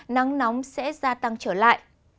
nắng nóng sẽ gia tăng trở lại